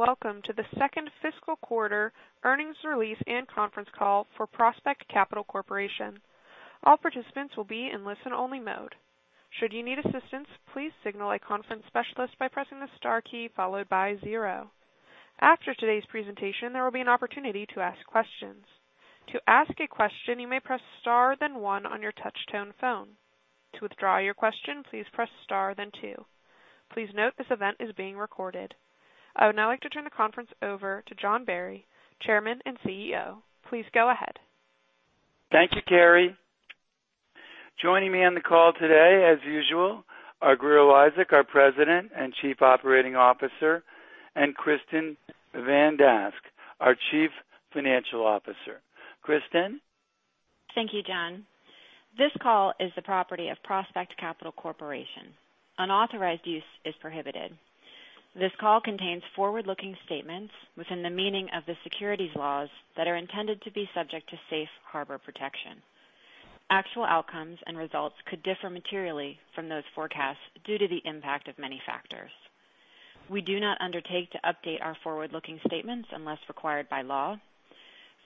Welcome to the second fiscal quarter earnings release and conference call for Prospect Capital Corporation. All participants will be in listen-only mode. Should you need assistance, please signal a conference specialist by pressing the star key followed by zero. After today's presentation, there will be an opportunity to ask questions. To ask a question, you may press star then one on your touch-tone phone. To withdraw your question, please press star then two. Please note this event is being recorded. I would now like to turn the conference over to John Barry, Chairman and CEO. Please go ahead. Thank you, Carrie. Joining me on the call today, as usual, are Grier Eliasek, our President and Chief Operating Officer, and Kristin Van Dask, our Chief Financial Officer. Kristin. Thank you, John. This call is the property of Prospect Capital Corporation. Unauthorized use is prohibited. This call contains forward-looking statements within the meaning of the securities laws that are intended to be subject to safe harbor protection. Actual outcomes and results could differ materially from those forecasts due to the impact of many factors. We do not undertake to update our forward-looking statements unless required by law.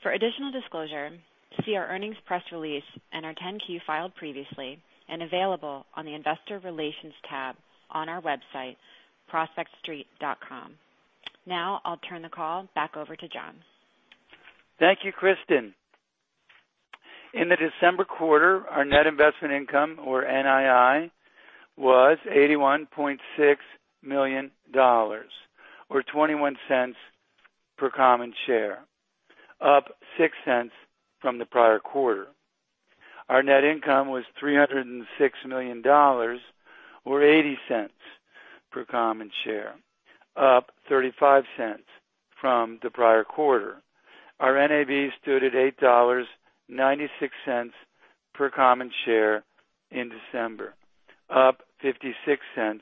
For additional disclosure, see our earnings press release and our 10-Q filed previously and available on the investor relations tab on our website Prospectstreet.com. Now, I'll turn the call back over to John. Thank you, Kristin. In the December quarter, our net investment income, or NII, was $81.6 million, or $0.21 per common share, up $0.06 from the prior quarter. Our net income was $306 million, or $0.80 per common share, up $0.35 from the prior quarter. Our NAV stood at $8.96 per common share in December, up $0.56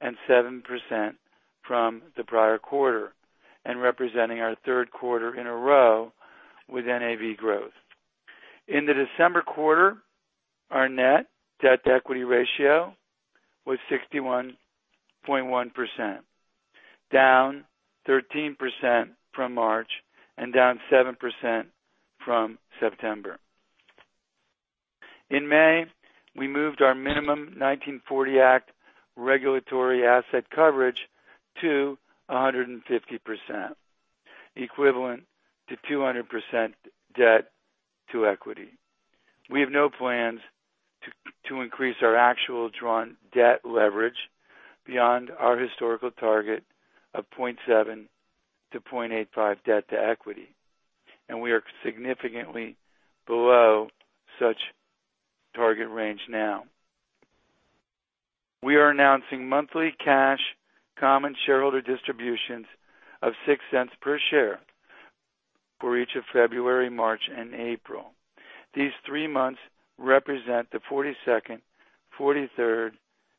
and 7% from the prior quarter, and representing our third quarter in a row with NAV growth. In the December quarter, our net debt-to-equity ratio was 61.1%, down 13% from March and down 7% from September. In May, we moved our minimum 1940 Act regulatory asset coverage to 150%, equivalent to 200% debt to equity. We have no plans to increase our actual drawn debt leverage beyond our historical target of 0.7-0.85 debt to equity, and we are significantly below such target range now. We are announcing monthly cash common shareholder distributions of $0.06 per share for each of February, March, and April. These three months represent the 42nd, 43rd,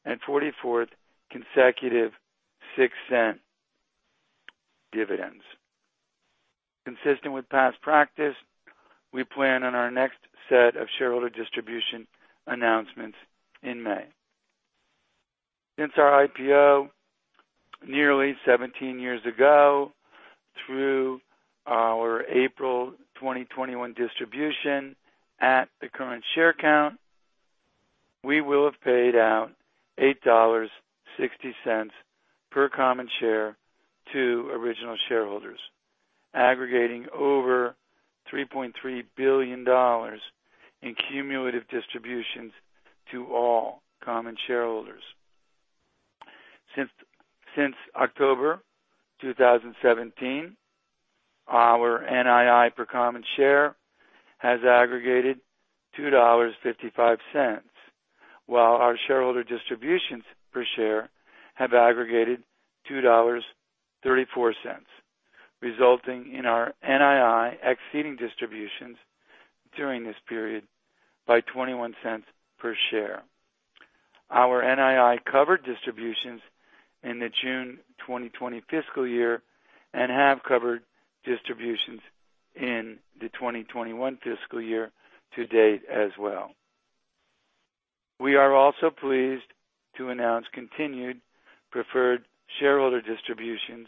and 44th consecutive $0.06 dividends. Consistent with past practice, we plan on our next set of shareholder distribution announcements in May. Since our IPO nearly 17 years ago, through our April 2021 distribution at the current share count, we will have paid out $8.60 per common share to original shareholders, aggregating over $3.3 billion in cumulative distributions to all common shareholders. Since October 2017, our NII per common share has aggregated $2.55, while our shareholder distributions per share have aggregated $2.34, resulting in our NII exceeding distributions during this period by $0.21 per share. Our NII covered distributions in the June 2020 fiscal year and have covered distributions in the 2021 fiscal year to date as well. We are also pleased to announce continued preferred shareholder distributions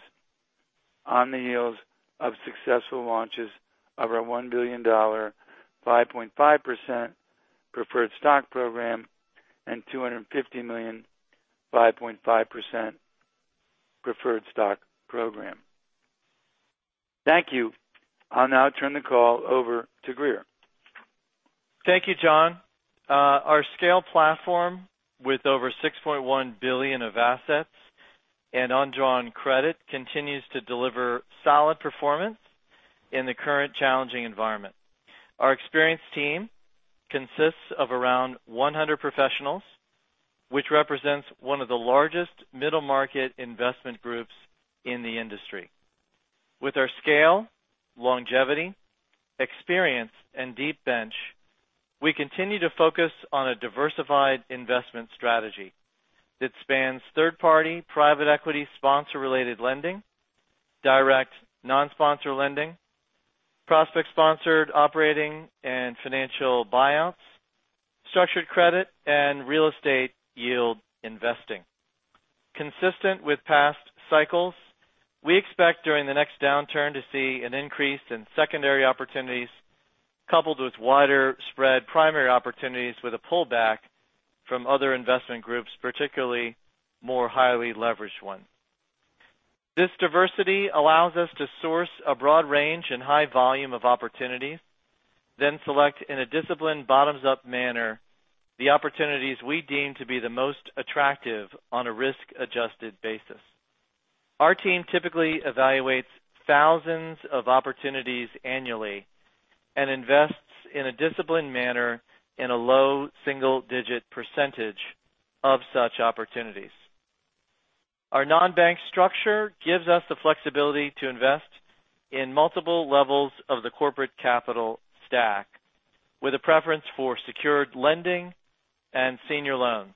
on the heels of successful launches of our $1 billion 5.5% preferred stock program and $250 million 5.5% preferred stock program. Thank you. I'll now turn the call over to Grier. Thank you, John. Our scale platform with over $6.1 billion of assets and undrawn credit continues to deliver solid performance in the current challenging environment. Our experienced team consists of around 100 professionals, which represents one of the largest middle-market investment groups in the industry. With our scale, longevity, experience, and deep bench, we continue to focus on a diversified investment strategy that spans third-party private equity sponsor-related lending, direct non-sponsor lending, Prospect-sponsored operating and financial buyouts, structured credit and real estate yield investing. Consistent with past cycles, we expect during the next downturn to see an increase in secondary opportunities coupled with wider spread primary opportunities with a pullback from other investment groups, particularly more highly leveraged ones. This diversity allows us to source a broad range and high volume of opportunities, then select in a disciplined bottoms-up manner, the opportunities we deem to be the most attractive on a risk-adjusted basis. Our team typically evaluates thousands of opportunities annually and invests in a disciplined manner in a low single-digit percentage of such opportunities. Our non-bank structure gives us the flexibility to invest in multiple levels of the corporate capital stack, with a preference for secured lending and senior loans.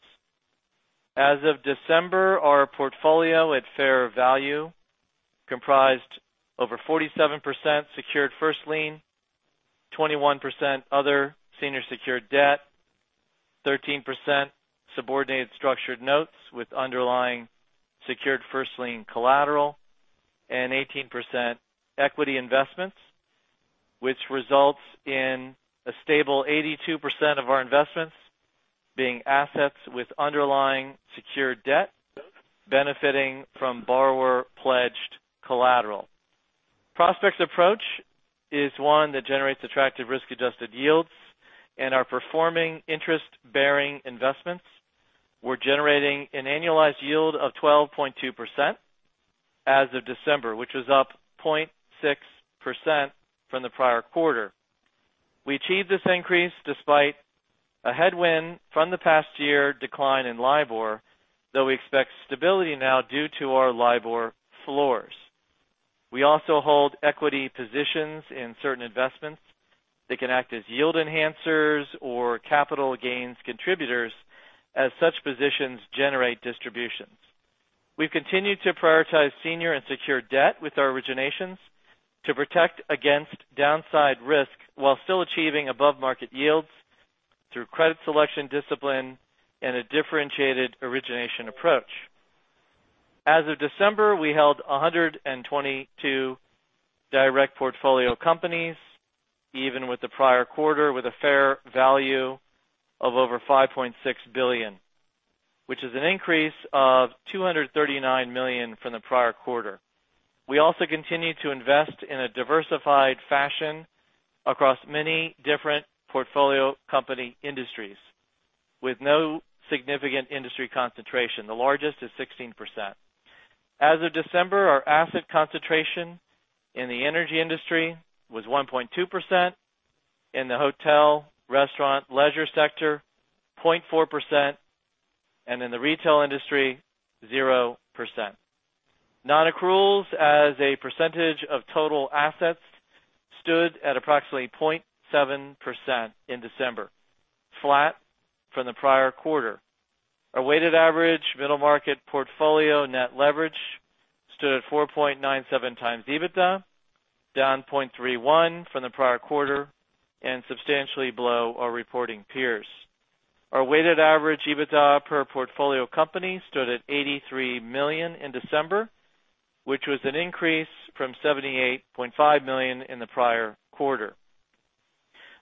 As of December, our portfolio at fair value comprised over 47% secured first lien, 21% other senior secured debt, 13% subordinated structured notes with underlying secured first lien collateral, and 18% equity investments, which results in a stable 82% of our investments being assets with underlying secured debt benefiting from borrower-pledged collateral. Prospect's approach is one that generates attractive risk-adjusted yields and our performing interest-bearing investments were generating an annualized yield of 12.2% as of December, which was up 0.6% from the prior quarter. We achieved this increase despite a headwind from the past year decline in LIBOR, though we expect stability now due to our LIBOR floors. We also hold equity positions in certain investments that can act as yield enhancers or capital gains contributors as such positions generate distributions. We've continued to prioritize senior and secured debt with our originations to protect against downside risk while still achieving above-market yields through credit selection discipline and a differentiated origination approach. As of December, we held 122 direct portfolio companies, even with the prior quarter, with a fair value of over $5.6 billion, which is an increase of $239 million from the prior quarter. We also continue to invest in a diversified fashion across many different portfolio company industries with no significant industry concentration. The largest is 16%. As of December, our asset concentration in the energy industry was 1.2%, in the hotel, restaurant, leisure sector, 0.4%, and in the retail industry, 0%. Non-accruals as a percentage of total assets stood at approximately 0.7% in December, flat from the prior quarter. Our weighted average middle market portfolio net leverage stood at 4.97x EBITDA, down 0.31 from the prior quarter, and substantially below our reporting peers. Our weighted average EBITDA per portfolio company stood at $83 million in December, which was an increase from $78.5 million in the prior quarter.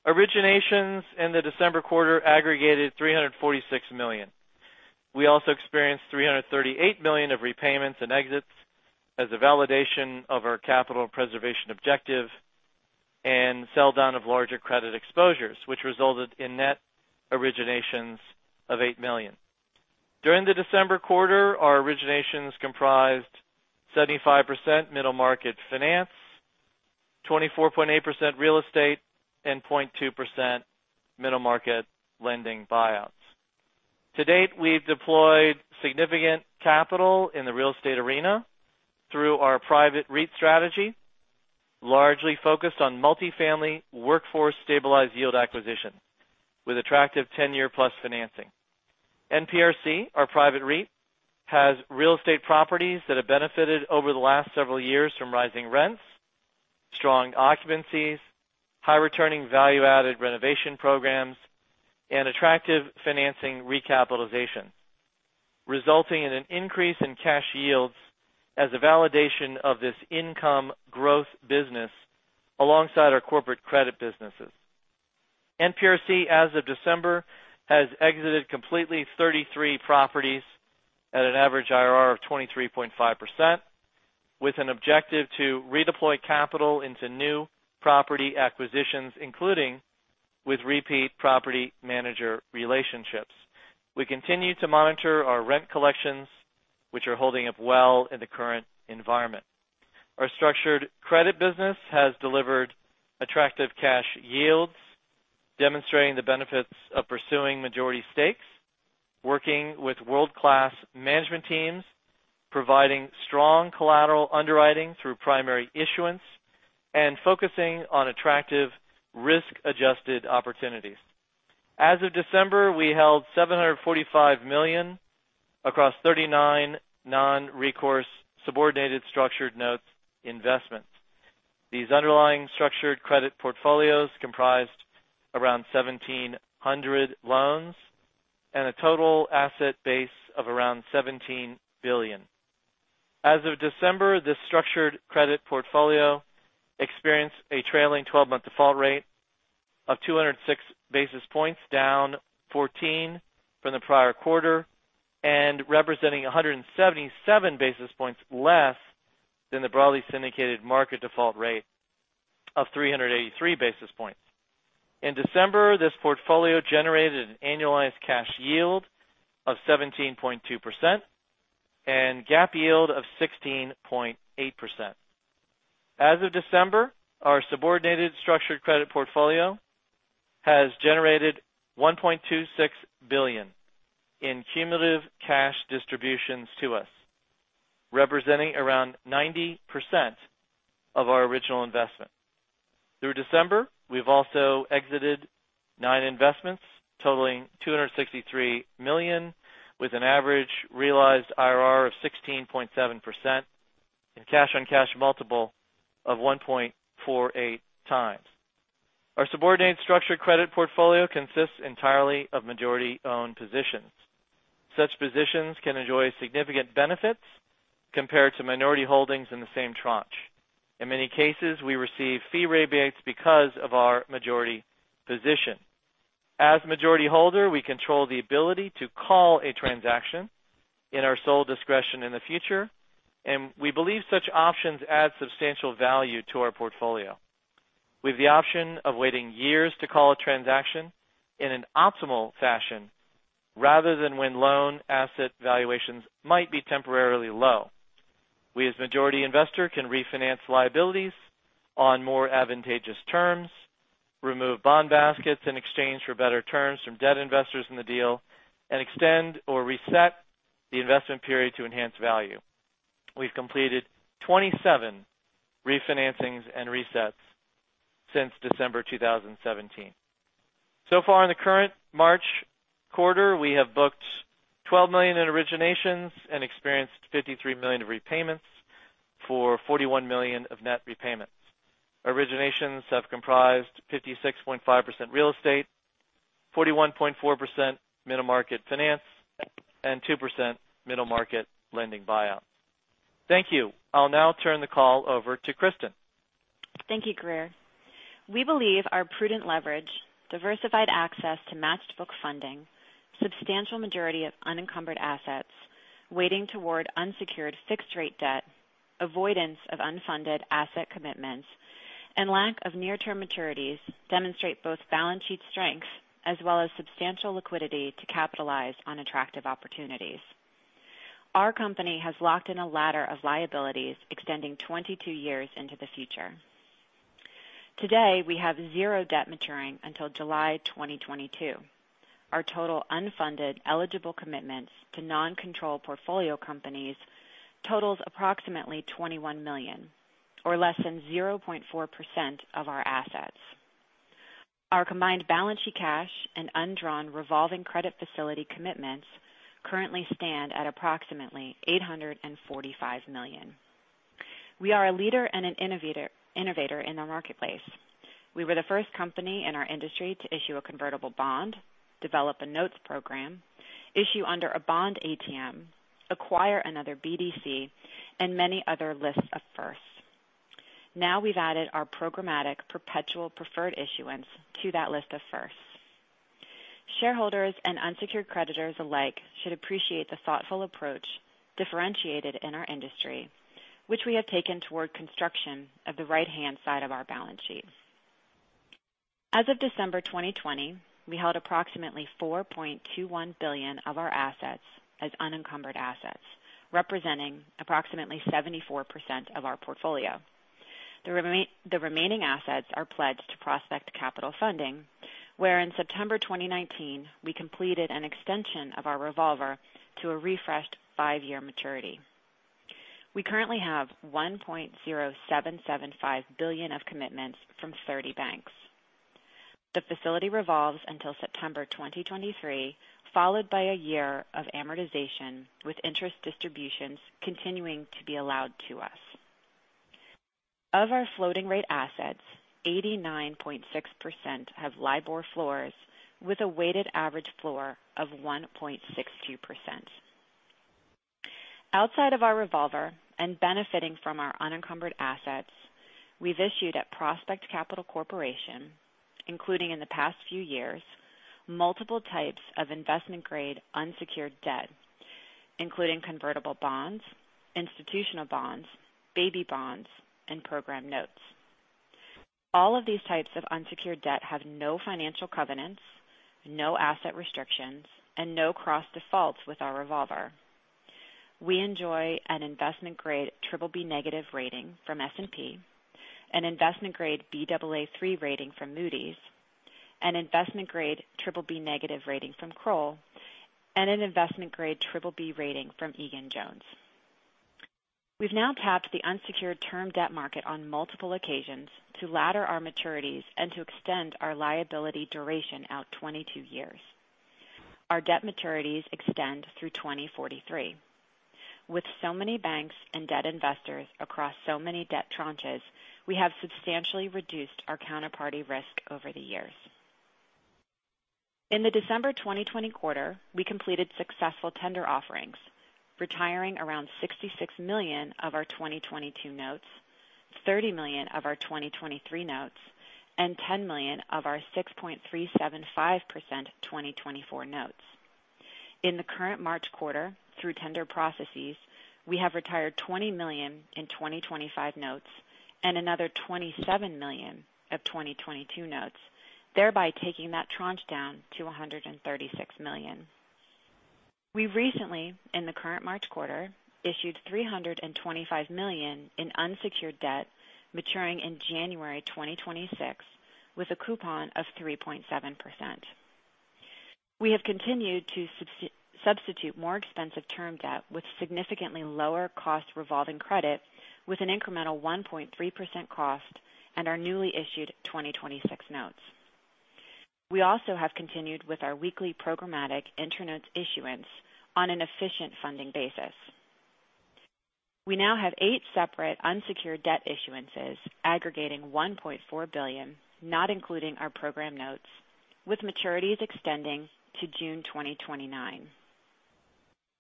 Originations in the December quarter aggregated $346 million. We also experienced $338 million of repayments and exits as a validation of our capital preservation objective and sell down of larger credit exposures, which resulted in net originations of $8 million. During the December quarter, our originations comprised 75% middle market finance, 24.8% real estate, and 0.2% middle market lending buyouts. To date, we've deployed significant capital in the real estate arena through our private REIT strategy, largely focused on multi-family, workforce-stabilized yield acquisition with attractive 10-year plus financing. NPRC, our private REIT, has real estate properties that have benefited over the last several years from rising rents, strong occupancies, high-returning value-added renovation programs, and attractive financing recapitalization, resulting in an increase in cash yields as a validation of this income growth business alongside our corporate credit businesses. NPRC, as of December, has exited completely 33 properties at an average IRR of 23.5%, with an objective to redeploy capital into new property acquisitions, including with repeat property manager relationships. We continue to monitor our rent collections, which are holding up well in the current environment. Our structured credit business has delivered attractive cash yields, demonstrating the benefits of pursuing majority stakes, working with world-class management teams, providing strong collateral underwriting through primary issuance, and focusing on attractive risk-adjusted opportunities. As of December, we held $745 million across 39 non-recourse subordinated structured notes investments. These underlying structured credit portfolios comprised around 1,700 loans and a total asset base of around $17 billion. As of December, this structured credit portfolio experienced a trailing 12-month default rate of 206 basis points, down 14 from the prior quarter and representing 177 basis points less than the broadly syndicated market default rate of 383 basis points. In December, this portfolio generated an annualized cash yield of 17.2% and GAAP yield of 16.8%. As of December, our subordinated structured credit portfolio has generated $1.26 billion in cumulative cash distributions to us, representing around 90% of our original investment. Through December, we've also exited nine investments totaling $263 million, with an average realized IRR of 16.7% and cash-on-cash multiple of 1.48x. Our subordinate structured credit portfolio consists entirely of majority-owned positions. Such positions can enjoy significant benefits compared to minority holdings in the same tranche. In many cases, we receive fee rebates because of our majority position. As majority holder, we control the ability to call a transaction in our sole discretion in the future, and we believe such options add substantial value to our portfolio. We have the option of waiting years to call a transaction in an optimal fashion rather than when loan asset valuations might be temporarily low. We, as majority investor, can refinance liabilities on more advantageous terms, remove bond baskets in exchange for better terms from debt investors in the deal, and extend or reset the investment period to enhance value. We've completed 27 refinancings and resets since December 2017. So far in the current March quarter, we have booked $12 million in originations and experienced $53 million of repayments for $41 million of net repayments. Originations have comprised 56.5% real estate, 41.4% middle market finance, and 2% middle market lending buyout. Thank you. I'll now turn the call over to Kristin. Thank you, Grier. We believe our prudent leverage, diversified access to matched book funding, substantial majority of unencumbered assets, weighting toward unsecured fixed-rate debt, avoidance of unfunded asset commitments, and lack of near-term maturities demonstrate both balance sheet strengths as well as substantial liquidity to capitalize on attractive opportunities. Our company has locked in a ladder of liabilities extending 22 years into the future. Today, we have zero debt maturing until July 2022. Our total unfunded eligible commitments to non-control portfolio companies totals approximately $21 million or less than 0.4% of our assets. Our combined balance sheet cash and undrawn revolving credit facility commitments currently stand at approximately $845 million. We are a leader and an innovator in the marketplace. We were the first company in our industry to issue a convertible bond, develop a notes program, issue under a bond ATM, acquire another BDC, and many other lists of firsts. We've added our programmatic perpetual preferred issuance to that list of firsts. Shareholders and unsecured creditors alike should appreciate the thoughtful approach differentiated in our industry, which we have taken toward construction of the right-hand side of our balance sheet. As of December 2020, we held approximately $4.21 billion of our assets as unencumbered assets, representing approximately 74% of our portfolio. The remaining assets are pledged to Prospect Capital Funding, where in September 2019, we completed an extension of our revolver to a refreshed five-year maturity. We currently have $1.0775 billion of commitments from 30 banks. The facility revolves until September 2023, followed by a year of amortization with interest distributions continuing to be allowed to us. Of our floating rate assets, 89.6% have LIBOR floors with a weighted average floor of 1.62%. Outside of our revolver and benefiting from our unencumbered assets, we've issued at Prospect Capital Corporation, including in the past few years, multiple types of investment-grade unsecured debt, including convertible bonds, institutional bonds, baby bonds, and program notes. All of these types of unsecured debt have no financial covenants, no asset restrictions, and no cross defaults with our revolver. We enjoy an investment-grade BBB negative rating from S&P, an investment-grade Baa3 rating from Moody's, an investment-grade BBB negative rating from Kroll, and an investment-grade BBB rating from Egan-Jones. We've now tapped the unsecured term debt market on multiple occasions to ladder our maturities and to extend our liability duration out 22 years. Our debt maturities extend through 2043. With so many banks and debt investors across so many debt tranches, we have substantially reduced our counterparty risk over the years. In the December 2020 quarter, we completed successful tender offerings, retiring around $66 million of our 2022 notes, $30 million of our 2023 notes, and $10 million of our 6.375% 2024 notes. In the current March quarter, through tender processes, we have retired $20 million in 2025 notes and another $27 million of 2022 notes, thereby taking that tranche down to $136 million. We recently, in the current March quarter, issued $325 million in unsecured debt maturing in January 2026, with a coupon of 3.7%. We have continued to substitute more expensive term debt with significantly lower cost revolving credit with an incremental 1.3% cost and our newly issued 2026 notes. We also have continued with our weekly programmatic InterNotes issuance on an efficient funding basis. We now have eight separate unsecured debt issuances aggregating $1.4 billion, not including our program notes, with maturities extending to June 2029.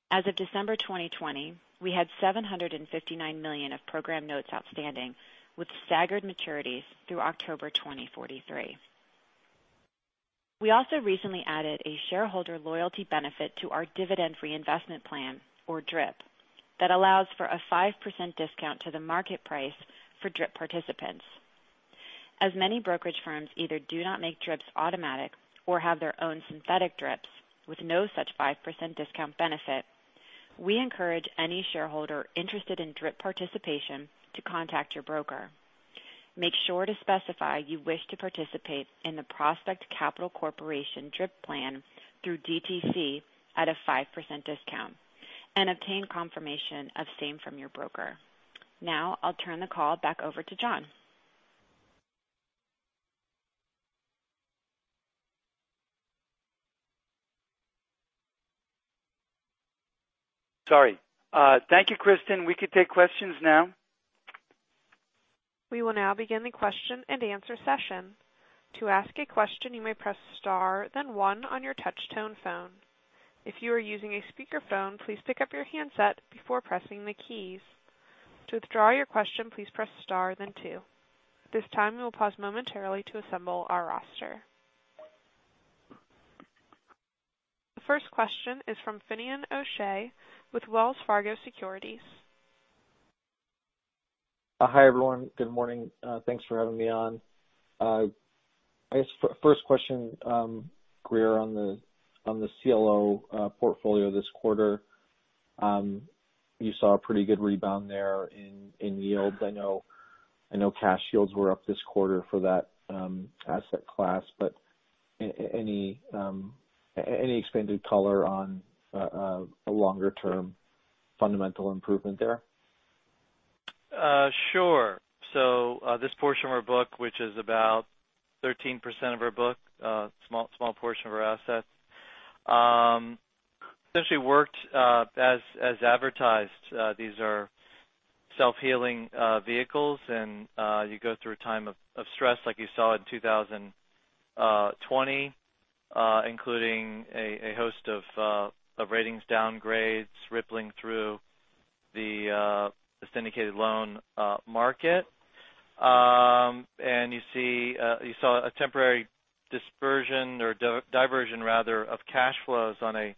As of December 2020, we had $759 million of program notes outstanding with staggered maturities through October 2043. We also recently added a shareholder loyalty benefit to our dividend reinvestment plan, or DRIP, that allows for a 5% discount to the market price for DRIP participants. As many brokerage firms either do not make DRIPs automatic or have their own synthetic DRIPs with no such 5% discount benefit, we encourage any shareholder interested in DRIP participation to contact your broker. Make sure to specify you wish to participate in the Prospect Capital Corporation DRIP plan through DTC at a 5% discount and obtain confirmation of same from your broker. Now I'll turn the call back over to John. Sorry. Thank you, Kristin. We can take questions now. We will now begin the question and answer session. To ask a question, you may press star then one on your touch tone phone. If you are using a speaker phone, please pick up your handset before pressing the keys. To withdraw your question, please press star then two. At this time, we will pause momentarily to assemble our roster. The first question is from Finian O'Shea with Wells Fargo Securities. Hi, everyone. Good morning. Thanks for having me on. I guess first question, Grier, on the CLO portfolio this quarter. You saw a pretty good rebound there in yields. I know cash yields were up this quarter for that asset class. Any expanded color on a longer-term fundamental improvement there? Sure. This portion of our book, which is about 13% of our book, a small portion of our assets, essentially worked as advertised. These are self-healing vehicles, you go through a time of stress like you saw in 2020 including a host of ratings downgrades rippling through the syndicated loan market. You saw a temporary dispersion or diversion, rather, of cash flows on a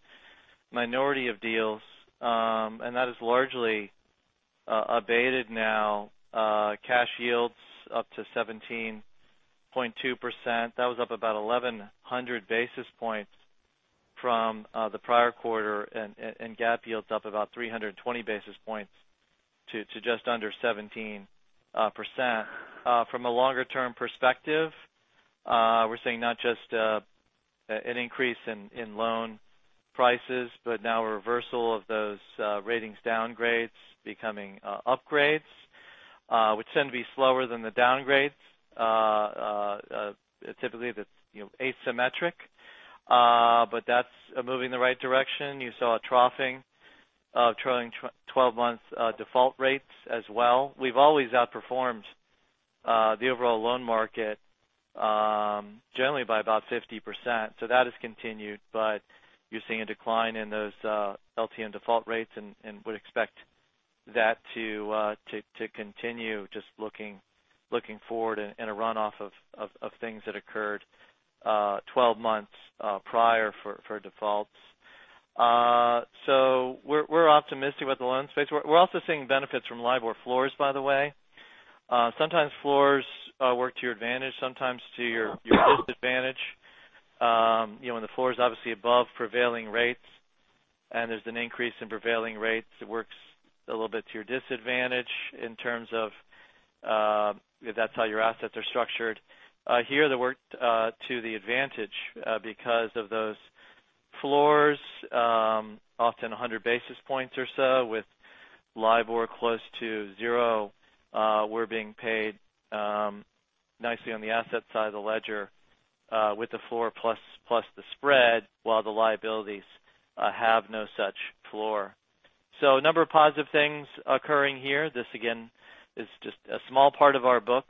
minority of deals, and that is largely abated now. Cash yields up to 17.2%. That was up about 1,100 basis points from the prior quarter, and GAAP yields up about 320 basis points to just under 17%. From a longer-term perspective, we're seeing not just an increase in loan prices, but now a reversal of those ratings downgrades becoming upgrades which tend to be slower than the downgrades. Typically that's asymmetric but that's moving in the right direction. You saw a troughing of trailing 12 months default rates as well. We've always outperformed the overall loan market generally by about 50%. That has continued, but you're seeing a decline in those LTM default rates and would expect that to continue just looking forward in a runoff of things that occurred 12 months prior for defaults. We're optimistic about the loan space. We're also seeing benefits from LIBOR floors, by the way. Sometimes floors work to your advantage, sometimes to your disadvantage. When the floor is obviously above prevailing rates and there's an increase in prevailing rates, it works a little bit to your disadvantage in terms of if that's how your assets are structured. Here they worked to the advantage because of those floors. Often 100 basis points or so with LIBOR close to zero. We're being paid nicely on the asset side of the ledger with the floor plus the spread, while the liabilities have no such floor. A number of positive things occurring here. This, again, is just a small part of our book,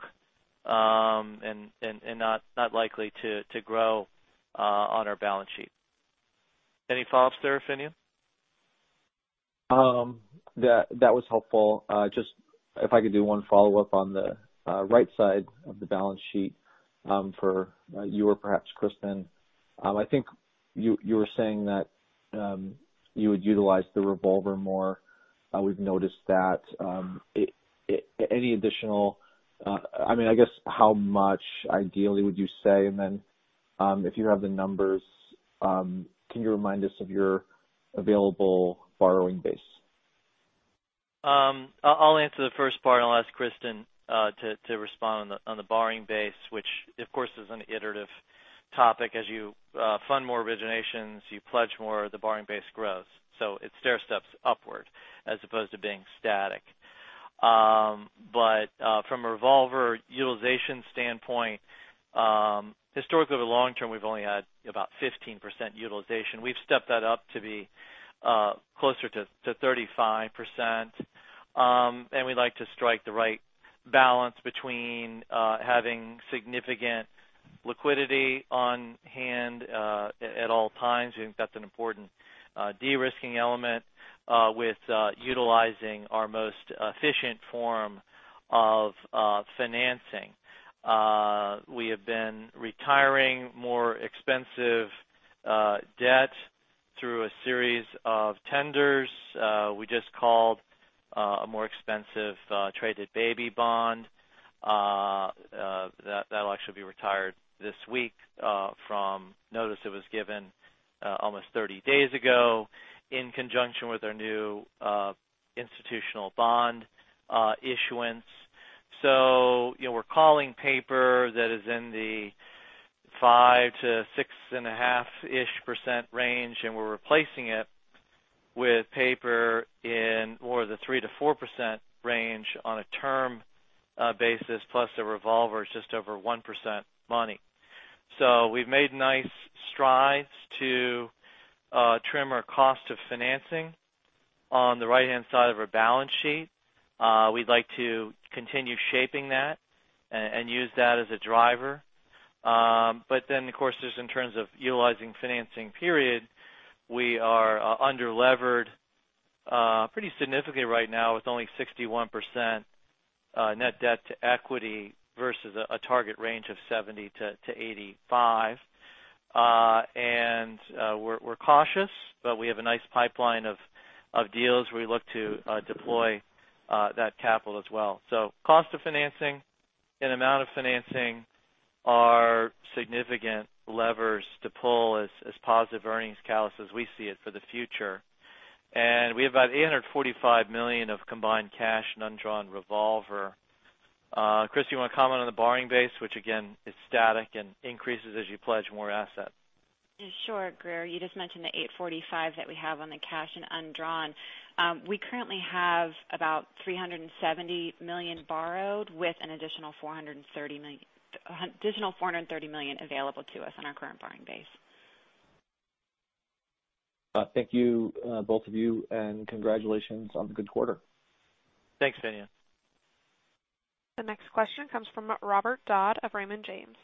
and not likely to grow on our balance sheet. Any follow-ups there, Finian? That was helpful. Just if I could do one follow-up on the right side of the balance sheet for you or perhaps Kristin. I think you were saying that you would utilize the revolver more. We've noticed that. I guess, how much ideally would you say? If you have the numbers, can you remind us of your available borrowing base? I'll answer the first part. I'll ask Kristin to respond on the borrowing base, which of course is an iterative topic. As you fund more originations, you pledge more, the borrowing base grows. It stairsteps upward as opposed to being static. From a revolver utilization standpoint, historically, over the long term, we've only had about 15% utilization. We've stepped that up to be closer to 35%. We'd like to strike the right balance between having significant liquidity on hand at all times. We think that's an important de-risking element with utilizing our most efficient form of financing. We have been retiring more expensive debt through a series of tenders. We just called a more expensive traded baby bond. That'll actually be retired this week from notice that was given almost 30 days ago in conjunction with our new institutional bond issuance. We're calling paper that is in the 5%-6.5%-ish range, and we're replacing it with paper in more of the 3%-4% range on a term basis, plus the revolver is just over 1% money. We've made nice strides to trim our cost of financing on the right-hand side of our balance sheet. We'd like to continue shaping that and use that as a driver. Of course, just in terms of utilizing financing period, we are under-levered pretty significantly right now with only 61% net debt to equity versus a target range of 70%-85%. We're cautious, but we have a nice pipeline of deals. We look to deploy that capital as well. Cost of financing and amount of financing are significant levers to pull as positive earnings catalysts as we see it for the future. We have about $845 million of combined cash and undrawn revolver. Kristin, you want to comment on the borrowing base, which again, is static and increases as you pledge more assets. Sure, Grier. You just mentioned the $845 that we have on the cash and undrawn. We currently have about $370 million borrowed with an additional $430 million available to us on our current borrowing base. Thank you, both of you, and congratulations on the good quarter. Thanks, Finian. The next question comes from Robert Dodd of Raymond James.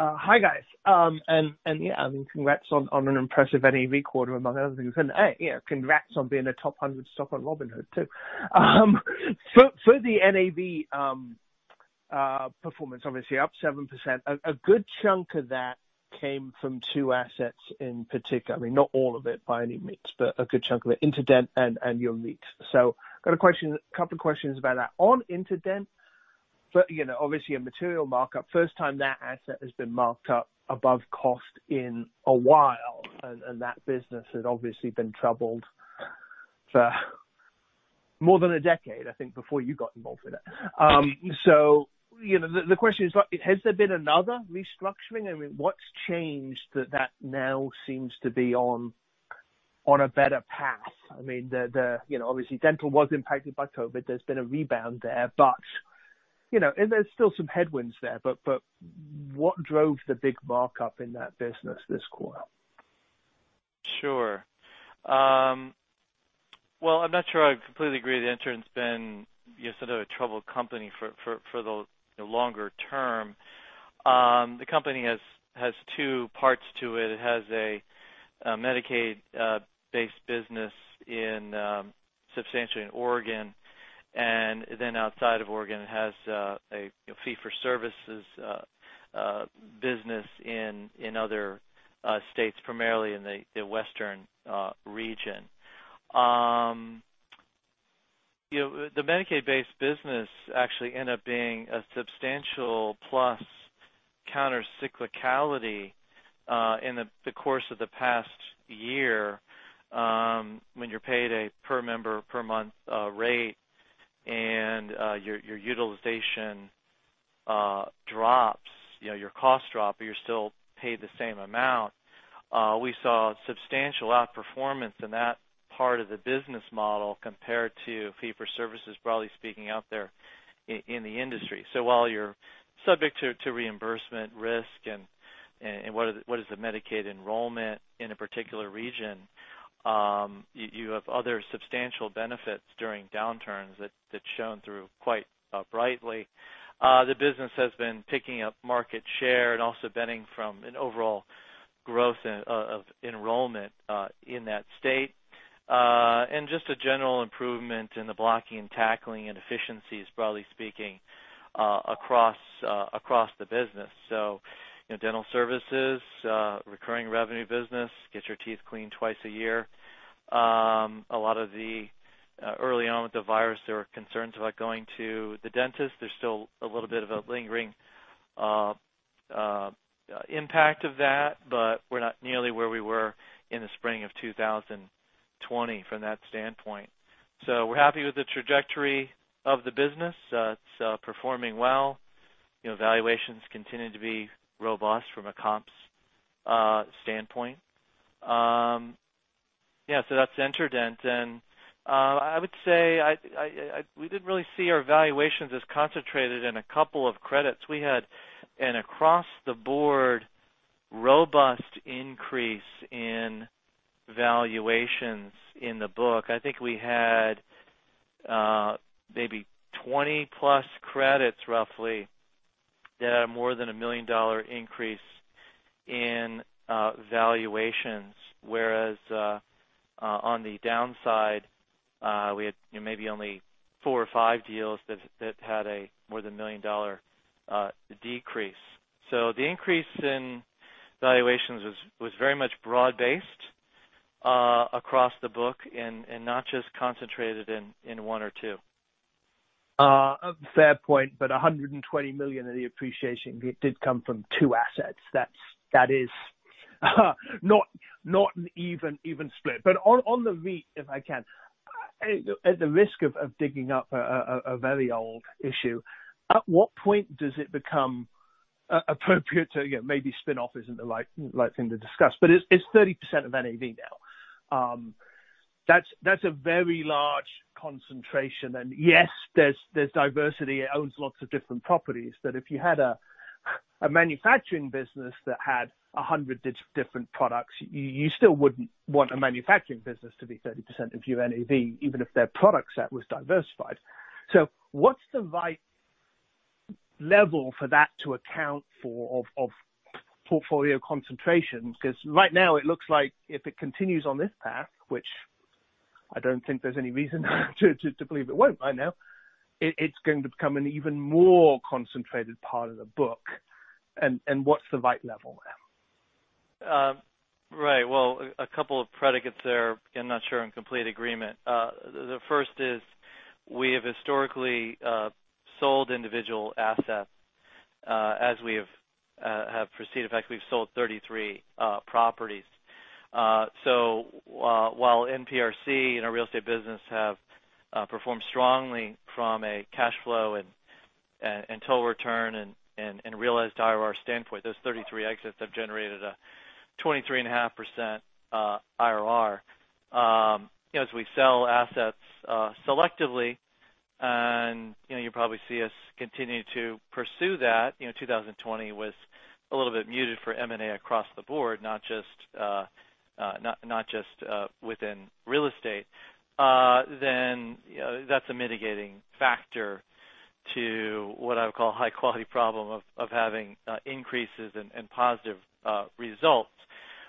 Hi, guys. Yeah, congrats on an impressive NAV quarter, among other things. Hey, congrats on being a top 100 stock on Robinhood, too. For the NAV performance, obviously up 7%. A good chunk of that came from two assets in particular. I mean, not all of it by any means, but a good chunk of it, InterDent and Annual MEET. Got a couple questions about that. On InterDent, obviously a material markup. First time that asset has been marked up above cost in a while. That business had obviously been troubled for more than a decade, I think, before you got involved with it. The question is, has there been another restructuring? I mean, what's changed that that now seems to be on a better path? I mean, obviously dental was impacted by COVID. There's been a rebound there's still some headwinds there. What drove the big markup in that business this quarter? Sure. Well, I'm not sure I completely agree InterDent's been sort of a troubled company for the longer term. The company has two parts to it. It has a Medicaid-based business substantially in Oregon, and then outside of Oregon, it has a fee-for-services business in other states, primarily in the Western region. The Medicaid-based business actually end up being a substantial plus countercyclicality in the course of the past year when you're paid a per member per month rate and your utilization drops, your costs drop, but you're still paid the same amount. We saw substantial outperformance in that part of the business model compared to fee for services, broadly speaking, out there in the industry. While you're subject to reimbursement risk and what is the Medicaid enrollment in a particular region, you have other substantial benefits during downturns that's shown through quite brightly. The business has been picking up market share and also benefiting from an overall growth of enrollment in that state. Just a general improvement in the blocking and tackling and efficiencies, broadly speaking, across the business. Dental services, recurring revenue business, get your teeth cleaned twice a year. A lot of the early on with the virus, there were concerns about going to the dentist. There's still a little bit of a lingering impact of that, but we're not nearly where we were in the spring of 2020 from that standpoint. We're happy with the trajectory of the business. It's performing well. Valuations continue to be robust from a comps standpoint. That's InterDent. I would say we didn't really see our valuations as concentrated in a couple of credits. We had an across-the-board robust increase in valuations in the book. I think we had maybe 20+ credits, roughly, that had more than a $1 million increase in valuations. Whereas, on the downside, we had maybe only four or five deals that had more than a $1 million decrease. The increase in valuations was very much broad-based across the book, and not just concentrated in one or two. A fair point. $120 million of the appreciation did come from two assets. That is not an even split. On the REIT, if I can, at the risk of digging up a very old issue, at what point does it become appropriate to, maybe spin-off isn't the right thing to discuss. It's 30% of NAV now. That's a very large concentration. Yes, there's diversity. It owns lots of different properties. If you had a manufacturing business that had 100 different products, you still wouldn't want a manufacturing business to be 30% of your NAV, even if their product set was diversified. What's the right level for that to account for of portfolio concentration? Right now it looks like if it continues on this path, which I don't think there's any reason to believe it won't by now, it's going to become an even more concentrated part of the book. What's the right level there? Right. Well, a couple of predicates there. Not sure I'm in complete agreement. The first is we have historically sold individual assets as we have proceeded. In fact, we've sold 33 properties. While NPRC and our real estate business have performed strongly from a cash flow and total return and realized IRR standpoint, those 33 exits have generated a 23.5% IRR. As we sell assets selectively, you'll probably see us continue to pursue that. 2020 was a little bit muted for M&A across the board, not just within real estate. That's a mitigating factor to what I would call high-quality problem of having increases and positive results.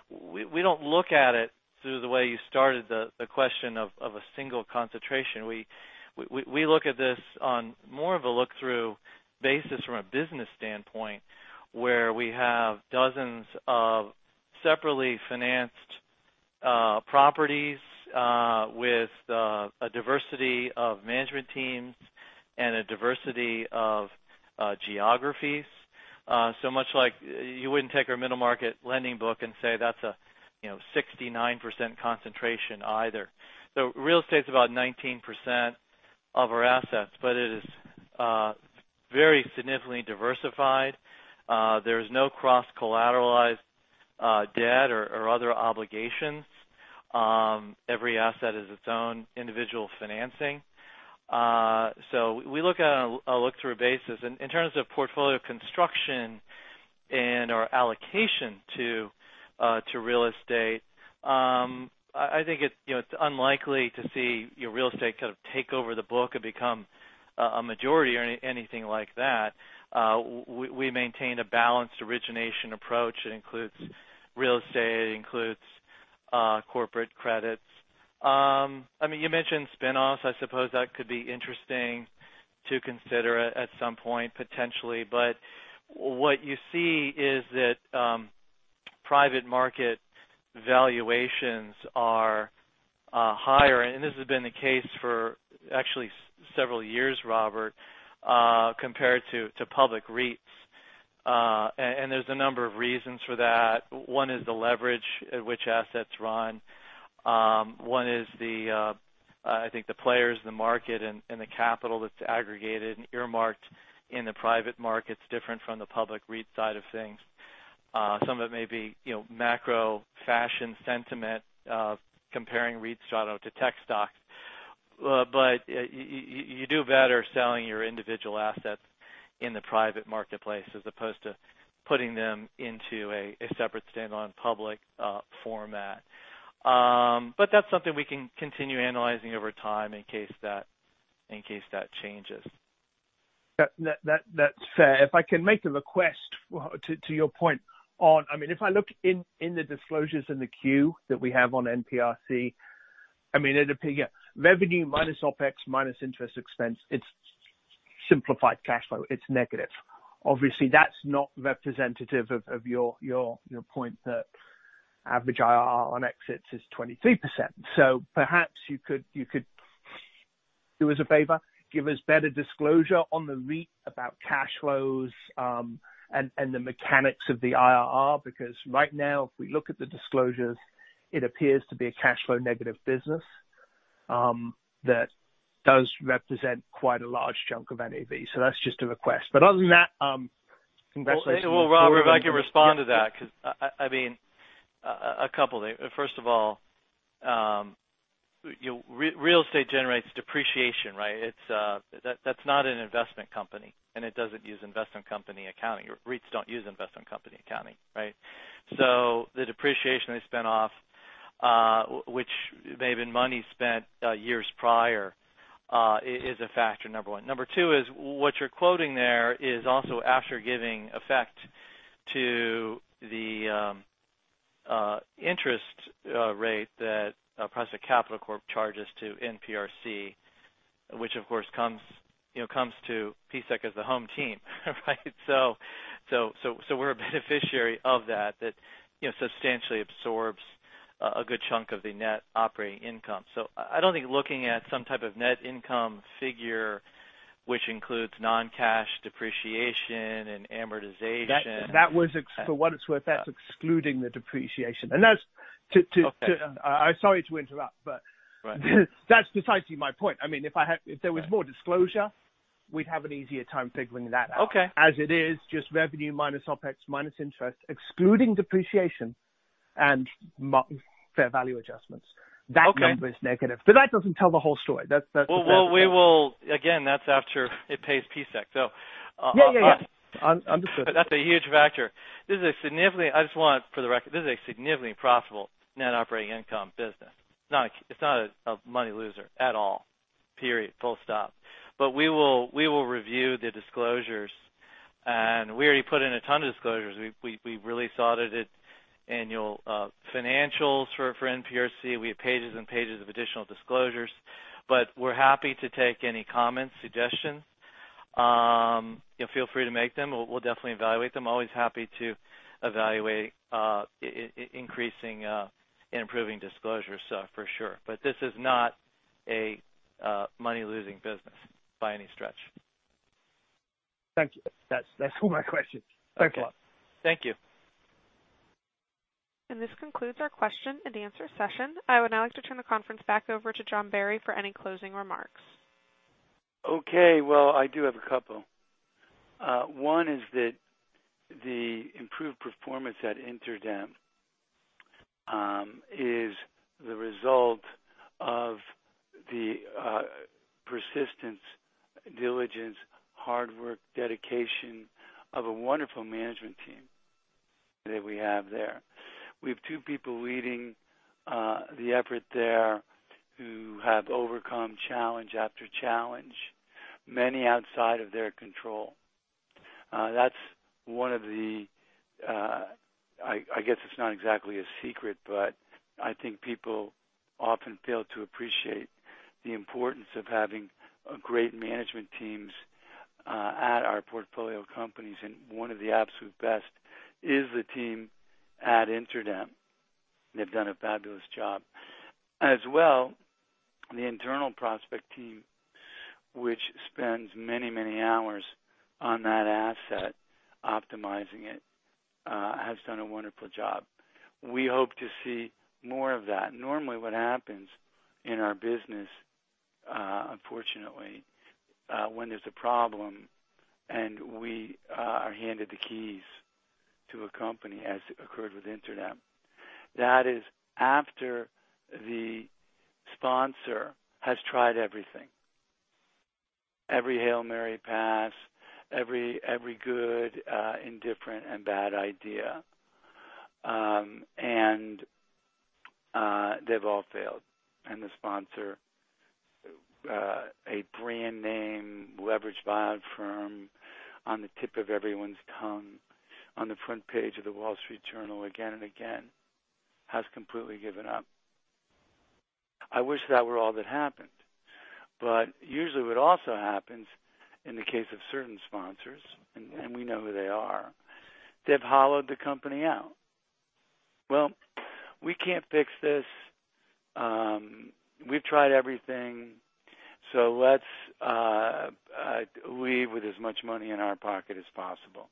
We don't look at it through the way you started the question of a single concentration. We look at this on more of a look-through basis from a business standpoint, where we have dozens of separately financed properties with a diversity of management teams and a diversity of geographies. Much like you wouldn't take our middle market lending book and say that's a 69% concentration either. Real estate's about 19% of our assets, but it is very significantly diversified. There's no cross-collateralized debt or other obligations. Every asset is its own individual financing. We look at it on a look-through basis. In terms of portfolio construction and our allocation to real estate, I think it's unlikely to see real estate kind of take over the book and become a majority or anything like that. We maintain a balanced origination approach. It includes real estate. It includes corporate credits. You mentioned spin-offs. I suppose that could be interesting to consider at some point, potentially. What you see is that private market valuations are higher. This has been the case for actually several years, Robert, compared to public REITs. There's a number of reasons for that. One is the leverage at which assets run. One is the, I think the players, the market, and the capital that's aggregated and earmarked in the private market's different from the public REIT side of things. Some of it may be macro fashion sentiment comparing REITs straight out to tech stocks. You do better selling your individual assets in the private marketplace as opposed to putting them into a separate standalone public format. That's something we can continue analyzing over time in case that changes. That's fair. If I can make a request to your point. If I look in the disclosures in the 10-Q that we have on NPRC, it appear, revenue minus OpEx, minus interest expense, it's simplified cash flow. It's negative. Obviously, that's not representative of your point that average IRR on exits is 23%. Perhaps you could do us a favor, give us better disclosure on the REIT about cash flows and the mechanics of the IRR. Because right now, if we look at the disclosures, it appears to be a cash flow negative business that does represent quite a large chunk of NAV. That's just a request. Other than that, congratulations. Robert, if I can respond to that, because a couple things. First of all, real estate generates depreciation, right? That's not an investment company, and it doesn't use investment company accounting. REITs don't use investment company accounting, right? The depreciation they spent off which may have been money spent years prior is a factor, number one. Number two is what you're quoting there is also after giving effect to the interest rate that Prospect Capital Corp charges to NPRC, which of course comes to PSEC as the home team, right? We're a beneficiary of that substantially absorbs a good chunk of the net operating income. I don't think looking at some type of net income figure, which includes non-cash depreciation and amortization- That was, for what it's worth, that's excluding the depreciation. Okay. I'm sorry to interrupt. Right That's precisely my point. If there was more disclosure, we'd have an easier time figuring that out. Okay. As it is, just revenue minus OpEx, minus interest, excluding depreciation and fair value adjustments. Okay. That number is negative. That doesn't tell the whole story. Well, Again, that's after it pays PSEC. Yeah. Understood. that's a huge factor. I just want for the record, this is a significantly profitable net operating income business. It's not a money loser at all, period. Full stop. We will review the disclosures, and we already put in a ton of disclosures. We've really audited annual financials for NPRC. We have pages and pages of additional disclosures. We're happy to take any comments, suggestions. Feel free to make them. We'll definitely evaluate them. Always happy to evaluate increasing and improving disclosure stuff for sure. This is not a money-losing business by any stretch. Thank you. That's all my questions. Okay. Thank you. This concludes our question and answer session. I would now like to turn the conference back over to John Barry for any closing remarks. Okay. I do have a couple. One is that the improved performance at InterDent is the result of the persistence, diligence, hard work, dedication of a wonderful management team that we have there. We have two people leading the effort there who have overcome challenge after challenge, many outside of their control. I guess it's not exactly a secret, but I think people often fail to appreciate the importance of having great management teams at our portfolio companies. One of the absolute best is the team at InterDent. They've done a fabulous job. As well, the internal Prospect team, which spends many hours on that asset optimizing it has done a wonderful job. We hope to see more of that. Normally, what happens in our business, unfortunately, when there's a problem and we are handed the keys to a company as occurred with InterDent, that is after the sponsor has tried everything. Every Hail Mary pass. Every good, indifferent, and bad idea. They've all failed. The sponsor, a brand name leverage buyout firm on the tip of everyone's tongue, on the front page of The Wall Street Journal again and again, has completely given up. I wish that were all that happened. Usually what also happens in the case of certain sponsors, and we know who they are, they've hollowed the company out. Well, we can't fix this. We've tried everything. Let's leave with as much money in our pocket as possible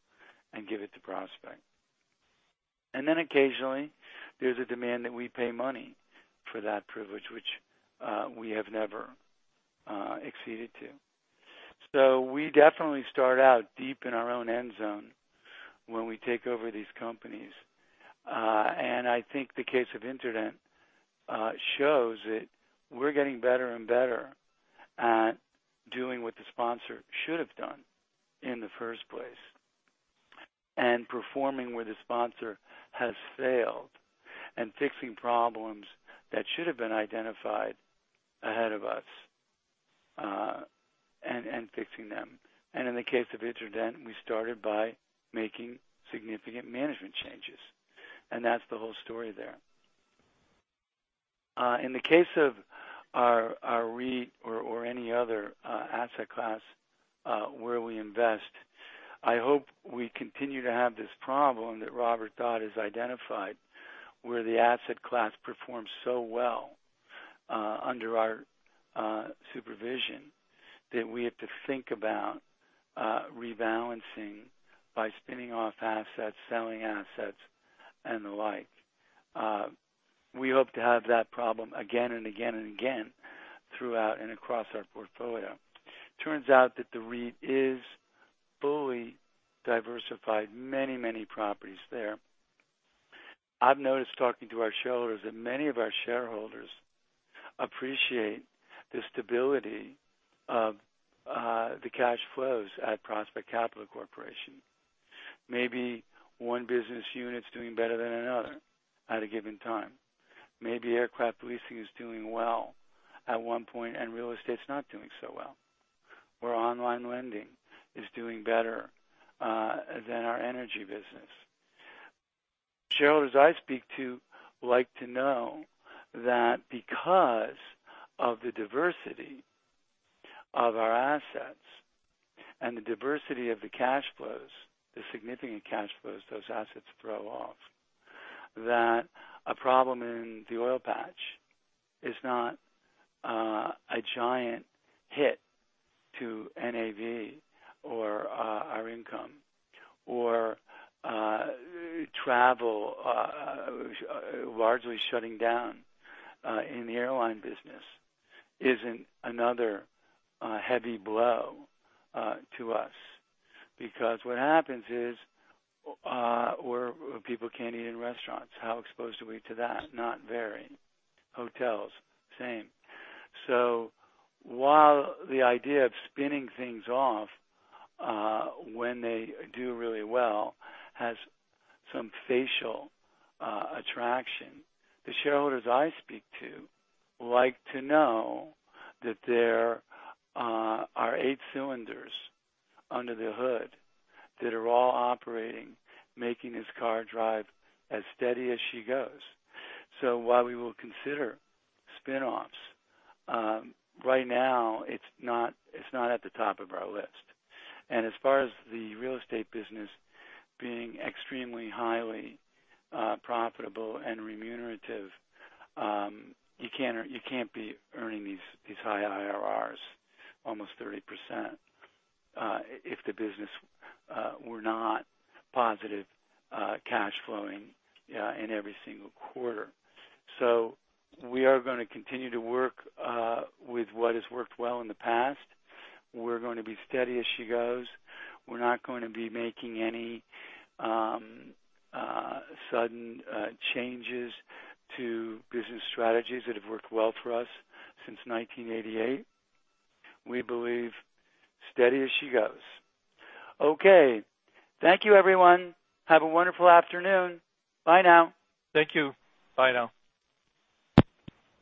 and give it to Prospect. Occasionally, there's a demand that we pay money for that privilege, which we have never acceded to. We definitely start out deep in our own end zone when we take over these companies. I think the case of InterDent shows that we're getting better and better at doing what the sponsor should have done in the first place, and performing where the sponsor has failed, and fixing problems that should have been identified ahead of us, and fixing them. In the case of InterDent, we started by making significant management changes. That's the whole story there. In the case of our REIT or any other asset class where we invest, I hope we continue to have this problem that Robert Dodd has identified, where the asset class performs so well under our supervision that we have to think about rebalancing by spinning off assets, selling assets, and the like. We hope to have that problem again and again and again throughout and across our portfolio. Turns out that the REIT is fully diversified, many properties there. I've noticed talking to our shareholders that many of our shareholders appreciate the stability of the cash flows at Prospect Capital Corporation. Maybe one business unit's doing better than another at a given time. Maybe aircraft leasing is doing well at one point and real estate's not doing so well. Or online lending is doing better than our energy business. Shareholders I speak to like to know that because of the diversity of our assets and the diversity of the cash flows, the significant cash flows those assets throw off, that a problem in the oil patch is not a giant hit to NAV or our income. Travel largely shutting down in the airline business isn't another heavy blow to us. People can't eat in restaurants. How exposed are we to that? Not very. Hotels, same. While the idea of spinning things off when they do really well has some facial attraction, the shareholders I speak to like to know that there are eight cylinders under the hood that are all operating, making this car drive as steady as she goes. While we will consider spin-offs, right now it's not at the top of our list. As far as the real estate business being extremely highly profitable and remunerative, you can't be earning these high IRRs, almost 30%, if the business were not positive cash flowing in every single quarter. We are going to continue to work with what has worked well in the past. We're going to be steady as she goes. We're not going to be making any sudden changes to business strategies that have worked well for us since 1988. We believe steady as she goes. Okay. Thank you, everyone. Have a wonderful afternoon. Bye now Thank you. Bye now.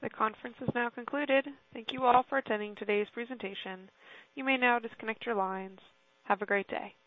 The conference is now concluded. Thank you all for attending today's presentation. You may now disconnect your lines. Have a great day.